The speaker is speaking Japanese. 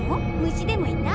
虫でもいた？